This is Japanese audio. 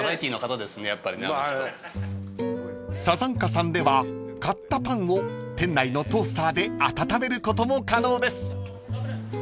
［ＳＡＺＡＮＫＡさんでは買ったパンを店内のトースターで温めることも可能です］